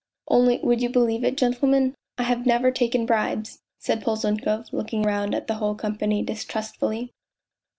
" Only would you believe it, gentlemen, I have never taken bribes ?" said Polzunkov, looking round at the whole company distrustfully.